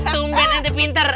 sumbet nanti pinter